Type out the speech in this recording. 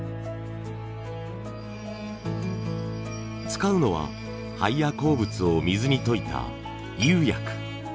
使うのは灰や鉱物を水に溶いた釉薬。